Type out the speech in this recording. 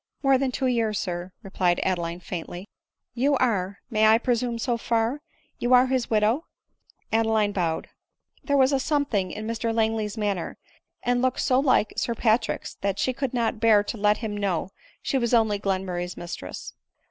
u More than two years, sir," replied Adeline faintly. " You are — may I presume so far — you are his widow ?"— Adeline bowed. There was a something in Mr Langley's manner and look so like Sir Patrick's, that she could not bear to let him know she was only Glen murray's mistress.